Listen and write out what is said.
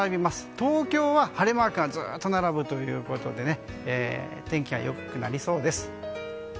東京は晴れマークがずっと並ぶということで天気が良くなりそうです。